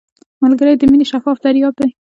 ملګری د مینې شفاف دریاب دی